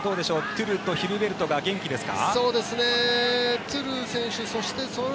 トゥルとヒルベルトが元気ですか？